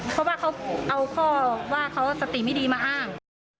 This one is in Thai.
เพราะว่าเขาเอาข้อว่าเขาสติไม่ดีมาอ้าง